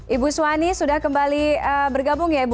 ibu suwani sudah kembali bergabung ya ibu